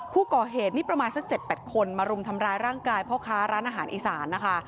ผู้ก่อเหตุนี่ประมาณสัก๗๘คนมารุมทำร้ายร่างกายพ่อค้าร้านอาหารอีสานนะคะ